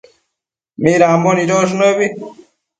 midambo nidosh nëbi